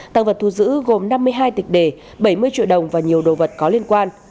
tăng vật thu giữ gồm năm mươi hai tịch đề bảy mươi triệu đồng và nhiều đồ vật có liên quan